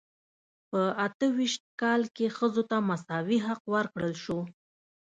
په اته ویشت کال کې ښځو ته مساوي حق ورکړل شو.